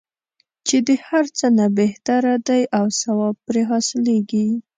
چې د هر څه نه بهتره دی او ثواب پرې حاصلیږي.